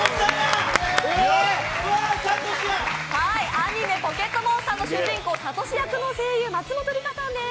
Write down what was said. アニメ「ポケットモンスター」の主人公・サトシの声優の松本梨香さんです。